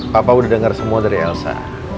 papa udah dengar semua dari elsa